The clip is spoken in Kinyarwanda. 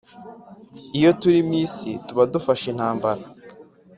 iyo turi mw isi tuba dufashe intambara